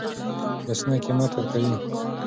ولسونه قیمت ورکوي.